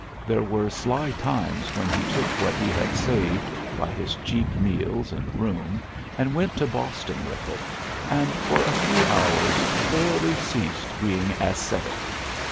There were sly times when he took what he had saved by his cheap meals and room and went to Boston with it, and for a few hours thoroughly ceased being ascetic.